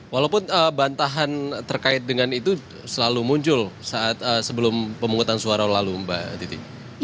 walaupun bantahan terkait dengan itu selalu muncul saat sebelum pemungutan suara lalu mbak titi